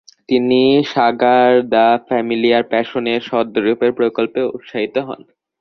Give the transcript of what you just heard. তিনি Sagrada familiar passion এর ছদ্মরূপের প্রকল্পে উৎসাহিত হন।